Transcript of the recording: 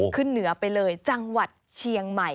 ขึ้นเหนือไปเลยจังหวัดเชียงใหม่